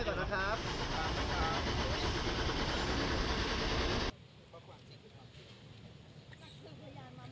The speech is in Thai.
คุณค้าไว้ก่อนนะครับ